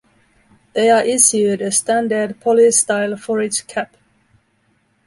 They are issued a standard police style forage cap.